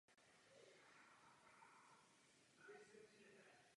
Jsou i tací, kteří jsou bez prostředků.